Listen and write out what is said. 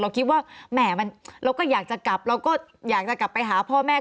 คิดว่าแหม่เราก็อยากจะกลับเราก็อยากจะกลับไปหาพ่อแม่